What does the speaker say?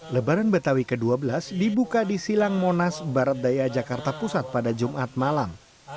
lebaran betawi ke dua belas dibuka di silang monas barat daya jakarta pusat pada jumat malam